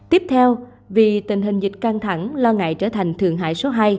tiếp theo vì tình hình dịch căng thẳng lo ngại trở thành thượng hải số hai